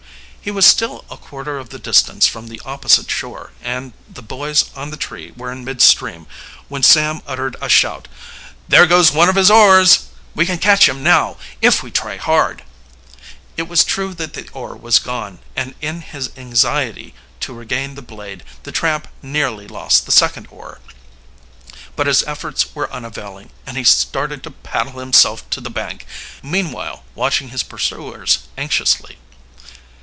He was still a quarter of the distance from the opposite shore, and the boys on the tree were in midstream, when Sam uttered a shout. "There goes one of his oars! We can catch him now if we try hard!" It was true that the oar was gone, and in his anxiety to regain the blade the tramp nearly lost the second oar. But his efforts were unavailing, and he started to paddle himself to the bank, meanwhile watching his pursuers anxiously.